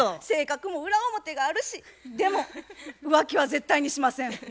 性格も裏表があるしでも浮気は絶対にしません。